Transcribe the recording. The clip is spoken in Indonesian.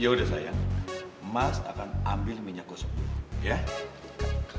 ya udah sayang mas akan ambil minyak gosok dulu ya